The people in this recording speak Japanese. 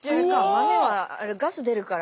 豆はガス出るから。